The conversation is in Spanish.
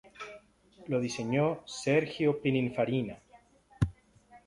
Lo diseño Sergio Pininfarina.